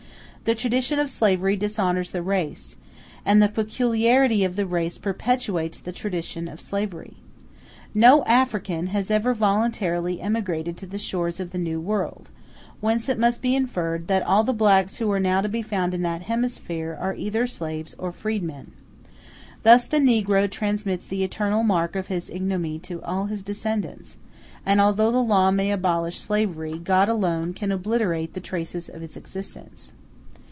The tradition of slavery dishonors the race, and the peculiarity of the race perpetuates the tradition of slavery. No African has ever voluntarily emigrated to the shores of the New World; whence it must be inferred, that all the blacks who are now to be found in that hemisphere are either slaves or freedmen. Thus the negro transmits the eternal mark of his ignominy to all his descendants; and although the law may abolish slavery, God alone can obliterate the traces of its existence.